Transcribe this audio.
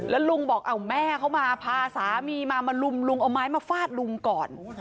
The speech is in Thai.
แล้วลุงบอกเอาแม่เขามาพาสามีมามาลุมลุงเอาไม้มาฟาดลุงก่อน